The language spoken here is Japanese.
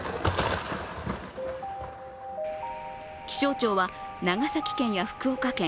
気象庁は長崎県や福岡県